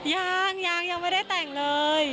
ยังยังไม่ได้แต่งเลย